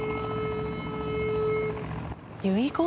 遺言？